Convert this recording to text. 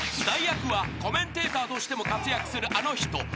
［代役はコメンテーターとしても活躍するあの人］